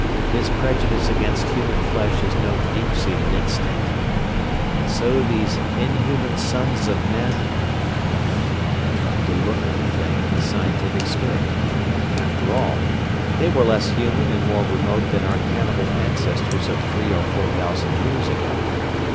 His prejudice against human flesh is no deep seated instinct. And so these inhuman sons of men——! I tried to look at the thing in a scientific spirit. After all, they were less human and more remote than our cannibal ancestors of three or four thousand years ago.